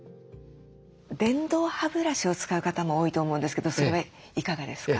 電動歯ブラシを使う方も多いと思うんですけどそれはいかがですか？